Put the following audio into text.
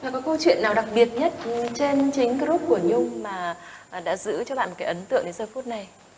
có câu chuyện nào đặc biệt nhất trên chính group của nhung mà đã giữ cho bạn ấn tượng đến giờ phút này